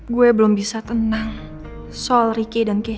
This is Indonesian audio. gue belum bisa tenang soal riki dan keisha